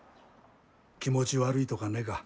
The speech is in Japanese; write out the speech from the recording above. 気持ち悪いとかねか？